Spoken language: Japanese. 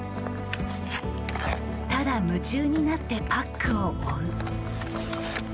ただ夢中になってパックを追う。